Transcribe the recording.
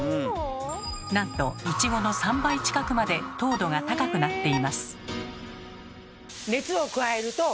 なんといちごの３倍近くまで糖度が高くなっています。